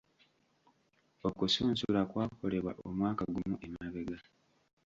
Okusunsula kwakolebwa omwaka gumu emabega.